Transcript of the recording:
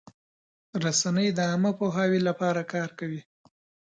رسنۍ د عامه پوهاوي لپاره کار کوي.